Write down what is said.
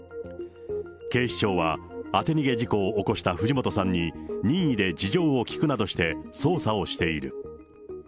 警視庁は、当て逃げ事故を起こした藤本さんに任意で事情を聴くなどして捜査をしている。